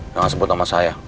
jangan sebut nama saya